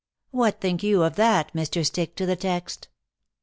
What think you of that, Mr. Stick to the text?"